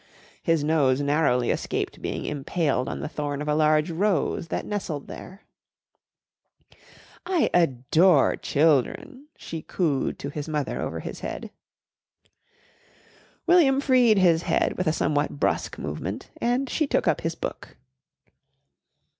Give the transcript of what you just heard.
His nose narrowly escaped being impaled on the thorn of a large rose that nestled there. "I adore children," she cooed to his mother over his head. William freed his head with a somewhat brusque movement and she took up his book.